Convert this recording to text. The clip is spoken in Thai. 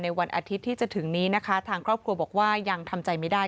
วันอาทิตย์ที่จะถึงนี้นะคะทางครอบครัวบอกว่ายังทำใจไม่ได้